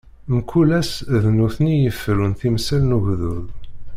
Mkul ass, d nutni i yeferrun timsal n ugdud.